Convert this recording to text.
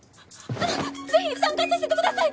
あのぜひ参加させてください！